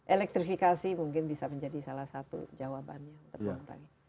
elektrifikasi mungkin bisa menjadi salah satu jawabannya untuk mengurangi